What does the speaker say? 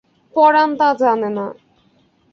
পরাণ তা জানে না।